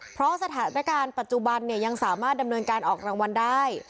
เพราะสถานการณ์ปัจจุบันเนี่ยยังสามารถดำเนินการออกรางวัลได้